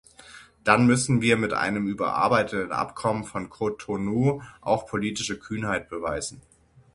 Dann müssen wir mit einem überarbeiteten Abkommen von Cotonou auch politische Kühnheit beweisen.